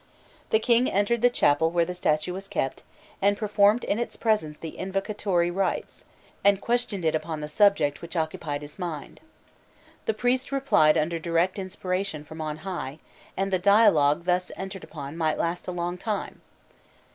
The king entered the chapel where the statue was kept, and performed in its presence the invocatory rites, and questioned it upon the subject which occupied his mind. The priest replied under direct inspiration from on high, and the dialogue thus entered upon might last a long time.